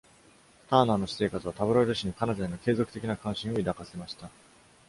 ターナーの私生活は、タブロイド紙に彼女への継続的な関心を抱かせました。